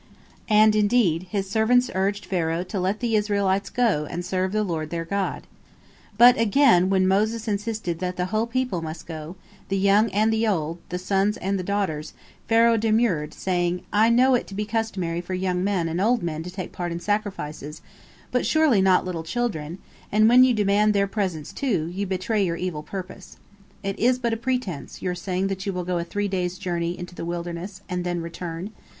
And, indeed, his servants urged Pharaoh to let the Israelites go and serve the Lord their God. But, again, when Moses insisted that the whole people must go, the young and the old, the sons and the daughters, Pharaoh demurred, saying, "I know it to be customary for young men and old men to take part in sacrifices, but surely not little children, and when you demand their presence, too, you betray your evil purpose. It is but a pretense, your saying that you will go a three days' journey into the wilderness, and then return.